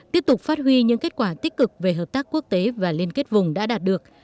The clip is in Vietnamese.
tiếp tục phát huy những kết quả tích cực về hợp tác quốc tế và liên kết vùng đã đạt được